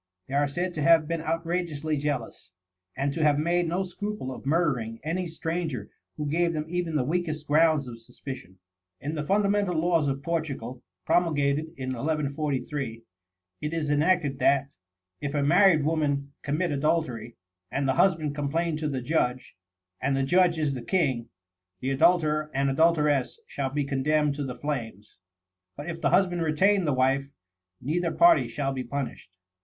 They are said to have been outrageously jealous, and to have made no scruple of murdering any stranger who gave them even the weakest grounds of suspicion. In the fundamental laws of Portugal, promulgated in 1143, it is enacted that, "if a married woman commit adultery, and the husband complain to the judge, and the judge is the king, the adulterer and adulteress shall be condemned to the flames; but if the husband retain the wife, neither party shall be punished."